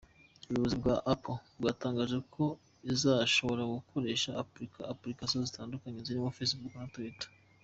Ubuyobozi bwa Apple bwatangaje ko izashobora gukoresha Applications zitandukanye zirimo Facebook na Twitter.